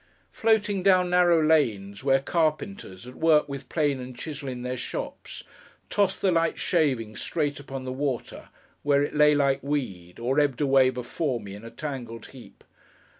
Floating down narrow lanes, where carpenters, at work with plane and chisel in their shops, tossed the light shaving straight upon the water, where it lay like weed, or ebbed away before me in a tangled heap.